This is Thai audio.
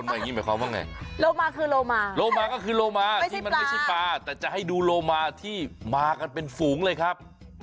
โรมาคือโรมาโรมาก็คือโรมาที่มันไม่ใช่ปลาแต่จะให้ดูโรมาที่มากันเป็นฝูงเลยครับ